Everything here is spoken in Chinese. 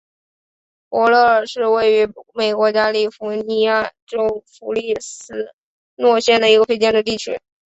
伯勒尔是位于美国加利福尼亚州弗雷斯诺县的一个非建制地区。